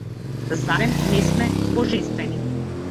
Зарем не сме божествени?